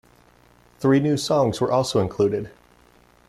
Three new songs were also included.